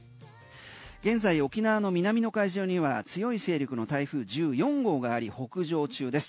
現在、沖縄の南の海上には強い勢力の台風１４号が北上中です。